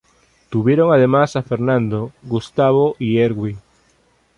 Tuvieron además a Fernando, Gustavo y Erwin.